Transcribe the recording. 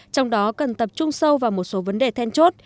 trong đó cần tập trung sâu vào một số vấn đề then chốt